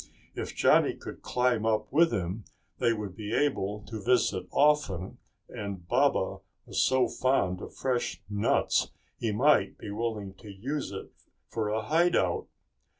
If Johnny could climb up with him they would be able to visit often and Baba was so fond of fresh nuts he might be willing to use it for a hideout.